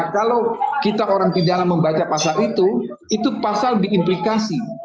kalau kita orang pidana membaca pasal itu itu pasal diimplikasi